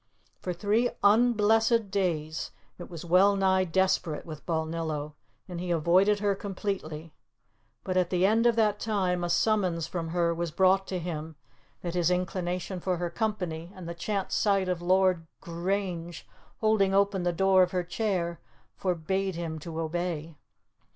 For three unblessed days it was wellnigh desperate with Balnillo, and he avoided her completely, but at the end of that time a summons from her was brought to him that his inclination for her company and the chance sight of Lord Grange holding open the door of her chair forbade him to disobey.